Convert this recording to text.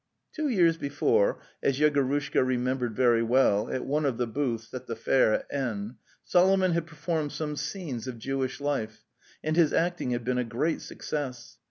Two years before, as Yegorushka remembered very well, at one of the booths at the fair at N., Solomon had performed some scenes of Jewish life, and his acting had been a great success.